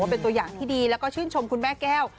เป็นตัวอย่างที่ดีแล้วก็ชื่นชมคุณแม่แก้ว